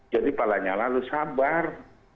jadi pak lanya lah lo sabar